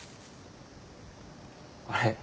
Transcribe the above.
あれ？